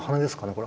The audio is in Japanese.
これ。